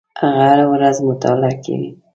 هغه هره ورځ مطالعه کوي.